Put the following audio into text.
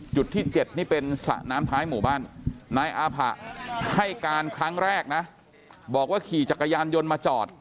จุดที่๗นี่เป็นสระน้ำท้ายหมู่บ้านนายอาผะให้การครั้งแรกนะบอกว่าขี่จักรยานยนต์มาจอด